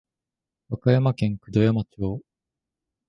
和歌山県九度山町